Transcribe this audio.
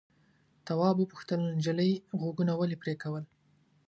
تواب وپوښتل نجلۍ غوږونه ولې پرې کول.